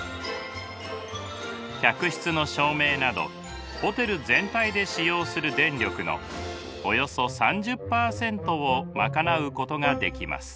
客室の照明などホテル全体で使用する電力のおよそ３０％を賄うことができます。